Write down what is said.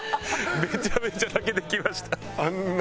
めちゃめちゃ泣けてきました。